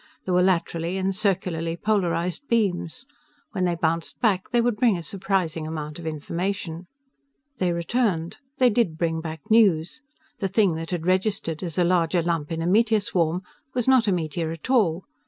There were laterally and circularly polarized beams. When they bounced back, they would bring a surprising amount of information. They returned. They did bring back news. The thing that had registered as a larger lump in a meteor swarm was not a meteor at all.